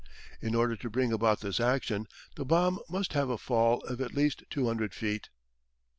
In order to bring about this action the bomb must have a fall of at least 200 feet.